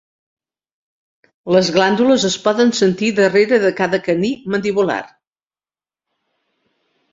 Les glàndules es poden sentir darrere de cada caní mandibular.